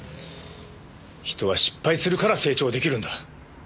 人は失敗するから成長出来るんだ。